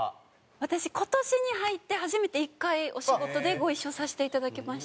私今年に入って初めて１回お仕事でご一緒させていただきました。